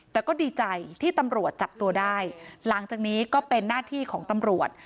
แต่ก็ดีใจที่ตำรวจจับตัวได้หลังจากนี้ก็เป็นหน้าที่ของตำรวจ